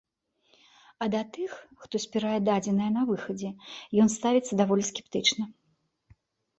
А да тых, хто збірае дадзеныя на выхадзе, ён ставіцца даволі скептычна.